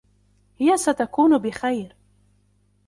هي ستكون بخير